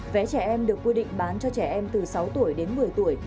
vé trẻ em được quy định bán cho trẻ em từ sáu tuổi đến một mươi tuổi